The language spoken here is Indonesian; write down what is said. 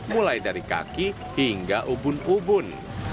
mulai dari kaki hingga ubun ubun